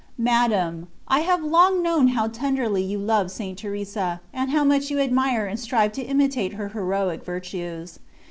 Madam, I HAVE long known how tenderly you love St. Teresa, and how much you admire and strive to imitate her heroic virtues.